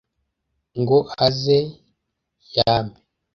ngo aze yame